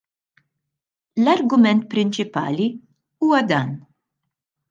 L-argument prinċipali huwa dan.